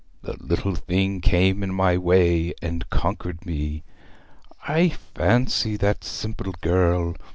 The little thing came in my way, and conquered me. I fancy that simple girl!